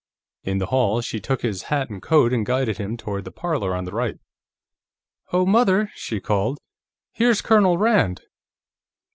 In the hall she took his hat and coat and guided him toward the parlor on the right. "Oh, Mother!" she called. "Here's Colonel Rand!"